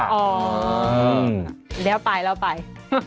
เดี๋ยวไปเราไป